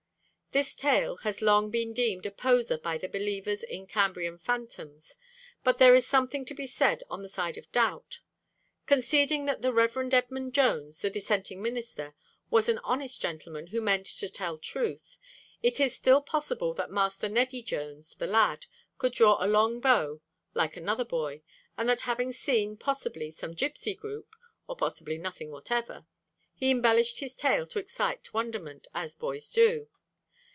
This tale has long been deemed a poser by the believers in Cambrian phantoms; but there is something to be said on the side of doubt. Conceding that the Reverend Edmund Jones, the dissenting minister, was an honest gentleman who meant to tell truth, it is still possible that Master Neddy Jones, the lad, could draw a long bow like another boy; and that having seen, possibly, some gypsy group (or possibly nothing whatever) he embellished his tale to excite wonderment, as boys do.